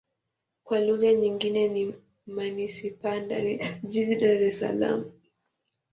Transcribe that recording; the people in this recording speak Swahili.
Kwa lugha nyingine ni manisipaa ndani ya jiji la Dar Es Salaam.